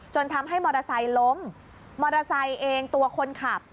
ทำให้มอเตอร์ไซค์ล้มมอเตอร์ไซค์เองตัวคนขับ